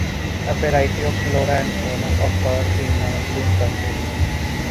A variety of flora and fauna occur in Linn County.